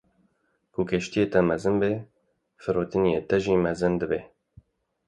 Ku keştiya te mezin be, firtoneya te jî mezin dibe.